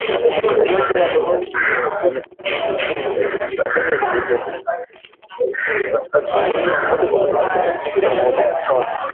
Kuanzia mwaka elfu moja mia tisa sitini na mbili, matangazo yaligeuzwa na kufanywa kipindi kilichotangazwa moja kwa moja, kila siku kutoka Washington.